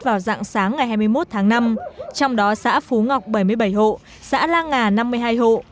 vào dạng sáng ngày hai mươi một tháng năm trong đó xã phú ngọc bảy mươi bảy hộ xã la ngà năm mươi hai hộ